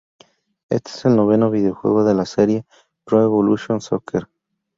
Este es el noveno videojuego de la serie Pro Evolution Soccer.